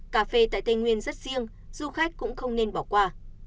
cà phê tại tây nguyên rất riêng du khách cũng không nên bỏ qua